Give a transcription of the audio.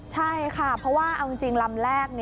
ใช่ค่ะเพราะว่าเอาจริงลำแรก